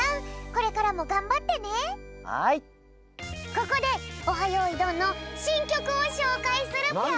ここで「オハ！よいどん」のしんきょくをしょうかいするぴょん！